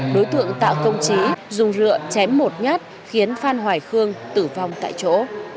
đối tượng tạ công trí dùng rượu chém một nhát khiến phan hoài khương tử vong tại chỗ